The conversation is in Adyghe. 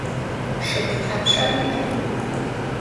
Şşıpxhu thapşşa vui'er?